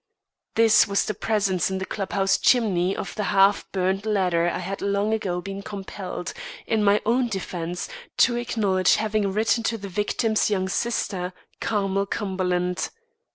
This was the presence in the club house chimney of the half burned letter I had long ago been compelled, in my own defence, to acknowledge having written to the victim's young sister, Carmel Cumberland.